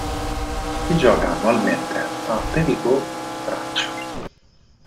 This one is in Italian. Si gioca annualmente a Périgueux in Francia.